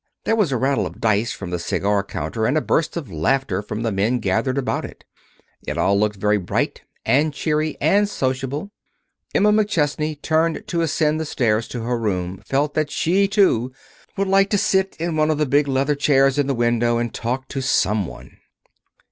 There was a rattle of dice from the cigar counter, and a burst of laughter from the men gathered about it. It all looked very bright, and cheery, and sociable. Emma McChesney, turning to ascend the stairs to her room, felt that she, too, would like to sit in one of the big leather chairs in the window and talk to some one.